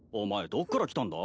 どっから来たんだ？